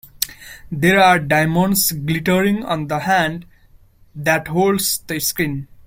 There are diamonds glittering on the hand that holds the screen.